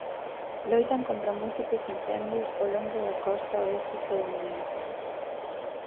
Loitan contra múltiples incendios ao longo da costa oeste estadounidense.